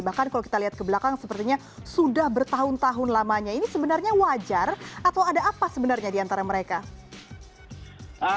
bahkan kalau kita lihat ke belakang sepertinya sudah bertahun tahun lamanya ini sebenarnya wajar atau ada apa sebenarnya diantara mereka